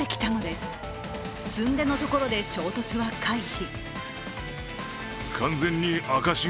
すんでのところで衝突は回避。